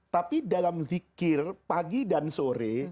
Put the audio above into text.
tapi dalam zikir pagi dan sore